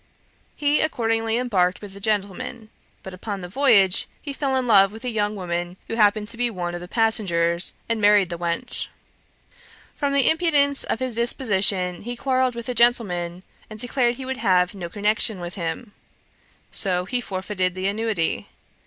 He accordingly embarked with the gentleman; but upon the voyage fell in love with a young woman who happened to be one of the passengers, and married the wench. From the imprudence of his disposition he quarrelled with the gentleman, and declared he would have no connection with him. So he forfeited the annuity.